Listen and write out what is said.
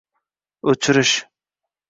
o’chirish